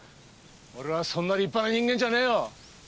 俺はそんな立派な人間じゃねえよ。